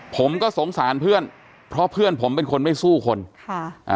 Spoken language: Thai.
ผมก็สงสารเพื่อนเพราะเพื่อนผมเป็นคนไม่สู้คนค่ะอ่า